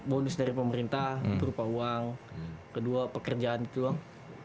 bonus dari pemerintah perupa uang kedua pekerjaan gitu doang